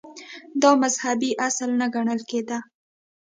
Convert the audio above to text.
• دا مذهبي اصل نه ګڼل کېده.